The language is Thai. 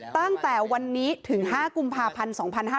ตั้งแต่วันนี้ถึง๕กุมภาพันธ์๒๕๕๙